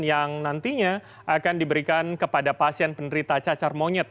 yang nantinya akan diberikan kepada pasien penderita cacar monyet